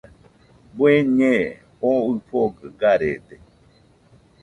Bueñe oo ɨfogɨ garede.